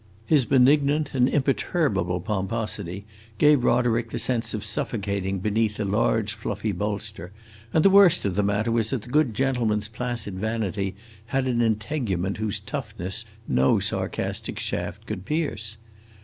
His benignant and imperturbable pomposity gave Roderick the sense of suffocating beneath a large fluffy bolster, and the worst of the matter was that the good gentleman's placid vanity had an integument whose toughness no sarcastic shaft could pierce.